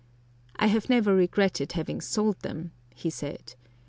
"I have never regretted having sold them," he said.